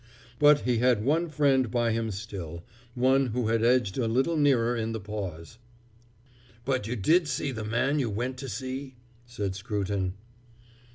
But he had one friend by him still, one who had edged a little nearer in the pause. "But you did see the man you went to see?" said Scruton.